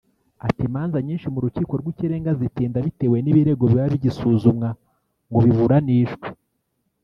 Ati “ Imanza nyinshi mu rukiko rw’ikirenga zitinda bitewe n’ibirego biba bigisuzumwa ngo biburanishwe